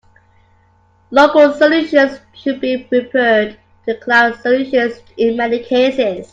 Local solutions should be preferred to cloud solutions in many cases.